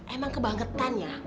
emang kebangetan ya